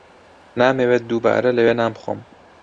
نامەوێت دووبارە لەوێ نان بخۆم.